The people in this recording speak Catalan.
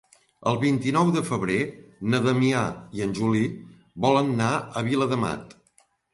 El vint-i-nou de febrer na Damià i en Juli volen anar a Viladamat.